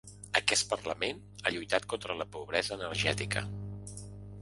Aquest parlament ha lluitat contra la pobresa energètica.